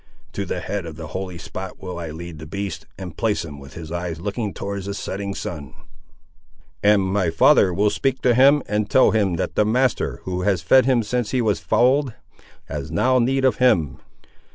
To the head of the holy spot will I lead the beast, and place him with his eyes looking towards the setting sun." "And my father will speak to him, and tell him, that the master, who has fed him since he was foaled, has now need of him."